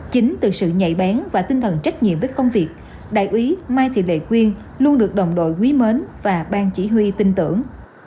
chính từ sự nhạy bén và tinh thần trách nhiệm với công việc đại úy mai thị lệ quyên luôn được đồng đội quý mến và ban chỉ huy tin tưởng